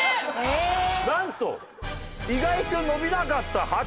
なんと意外と伸びなかった。